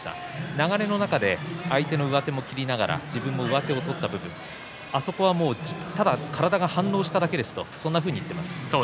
流れの中で相手の上手も切りながら自分の上手も取った部分あそこはただ体が反応しただけですと言っていました。